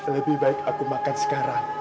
lebih baik aku makan sekarang